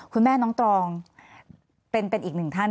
คุณแม่น้องตรองเป็นอีกหนึ่งท่าน